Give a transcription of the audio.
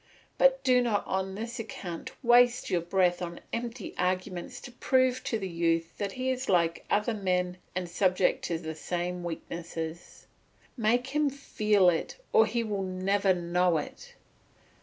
But do not on this account waste your breath on empty arguments to prove to the youth that he is like other men and subject to the same weaknesses. Make him feel it or he will never know it.